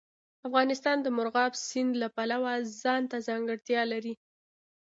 افغانستان د مورغاب سیند له پلوه ځانته ځانګړتیا لري.